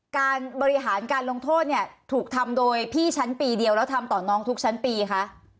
การบริหารการลงโทษเนี่ยถูกทำโดยพี่ชั้นปีเดียวแล้วทำต่อน้องทุกชั้นปีคะ